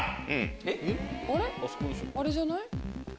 あれじゃない？